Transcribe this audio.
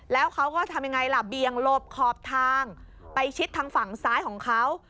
แล้วเขาก็ทำยังไงล่ะเบียงหลบขอบทางไปชิดทางฝั่งซ้ายของเขา